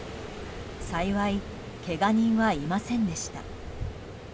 幸い、けが人はいませんでした。